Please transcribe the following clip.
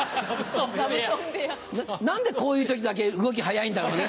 何でこういう時だけ動き速いんだろうね。